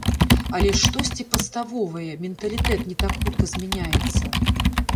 Але ж штосьці падставовае, менталітэт не так хутка змяняецца!